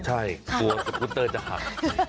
ใช่กลัวสกุตเตอร์จะหัก